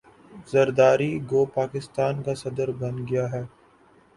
ذرداری گو پاکستان کا صدر بن گیا ہے